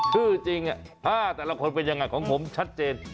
ชื่อจริง๕แต่ละคนเป็นยังไงของผมชัดเจน